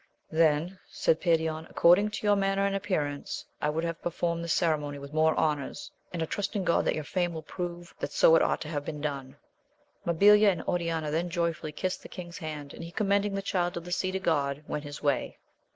Then, said Perion, According to your manner and appearance, I would have performed this ceremony with more honours, and I trust in God that your fame will prove that so it ought to have been done. ' Mabilia and Oriana then joyfully kissed the king's hands, and he, commending the Child of the Sea to God, went his way.